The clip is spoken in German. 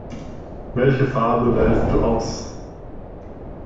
Welche Farbe wählst du aus?